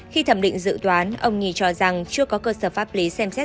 khi thẩm định dự toán ông nhì cho rằng chưa có cơ sở pháp lý xem xét